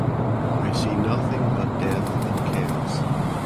I see nothing but death and chaos.